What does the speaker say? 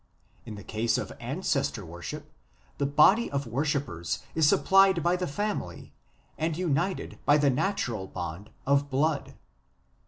In the case of Ancestor worship, the body of worshippers is supplied by the family and united by the natural bond of blood.